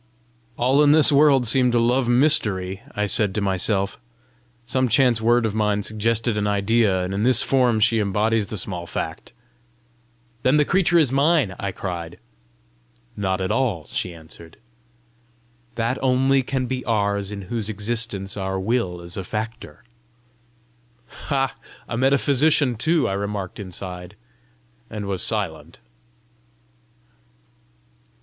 "All in this world seem to love mystery!" I said to myself. "Some chance word of mine suggested an idea and in this form she embodies the small fact!" "Then the creature is mine!" I cried. "Not at all!" she answered. "That only can be ours in whose existence our will is a factor." "Ha! a metaphysician too!" I remarked inside, and was silent.